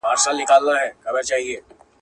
نړیوال سوداګریز فعالیتونه ملتونه سره نږدې کوي.